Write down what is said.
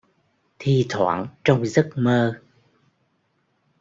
Thi thoảng trong Giấc Mơ